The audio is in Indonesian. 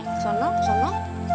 ke sana ke sana